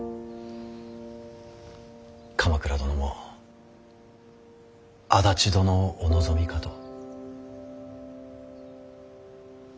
鎌倉殿も安達殿をお望みかと。